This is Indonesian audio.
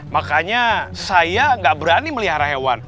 makanya saya nggak berani melihara hewan